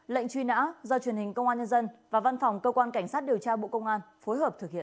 lệnh truy nã do truyền hình công an nhân dân và văn phòng cơ quan cảnh sát điều tra bộ công an phối hợp thực hiện